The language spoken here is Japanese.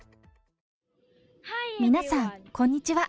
皆さん、こんにちは。